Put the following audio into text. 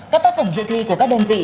các tác phẩm dự thi của các đơn vị